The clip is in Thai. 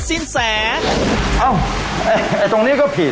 สินแสงอ้าวตรงนี้ก็ผิด